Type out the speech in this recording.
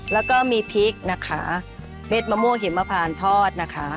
แล้วก็มีพริกนะคะเม็ดมะม่วงหิมพานทอดนะคะ